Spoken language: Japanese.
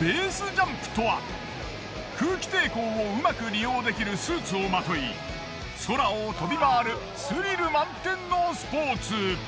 ベースジャンプとは空気抵抗をうまく利用できるスーツをまとい空を飛び回るスリル満点のスポーツ。